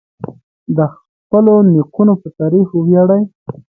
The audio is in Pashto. د خپلو نیکونو په تاریخ وویاړئ.